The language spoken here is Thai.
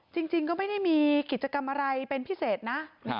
จริงก็ไม่ได้มีกิจกรรมอะไรเป็นพิเศษนะ